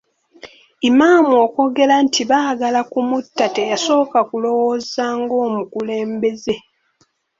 Imam okwogera nti baagala kumutta, teyasooka kulowooza ng'omukulembeze.